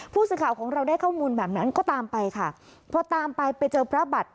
ผู้สื่อข่าวของเราได้ข้อมูลแบบนั้นก็ตามไปค่ะพอตามไปไปเจอพระบัตร